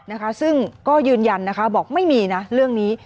นะคะซึ่งก็ยืนยันนะคะบอกไม่มีนะเรื่องนี้